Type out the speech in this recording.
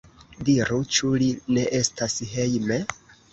Diru, ĉu li ne estas hejme?